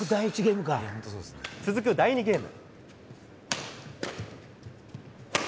続く第２ゲーム。